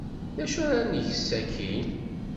D acu ara neg sakkin?